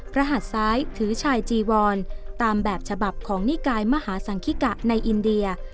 หัดซ้ายถือชายจีวรตามแบบฉบับของนิกายมหาสังคิกะในอินเดีย